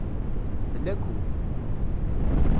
D lakul.